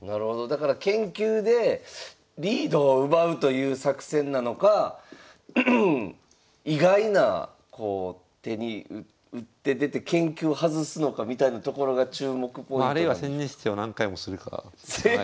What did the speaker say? だから研究でリードを奪うという作戦なのか意外な手に打って出て研究を外すのかみたいなところが注目ポイントなんですか？